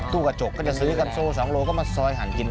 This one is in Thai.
กระจกก็จะซื้อกันโซ๒โลก็มาซอยหั่นกิน